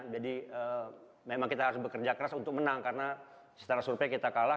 jadi memang kita harus bekerja keras untuk menang karena setelah survei kita kalah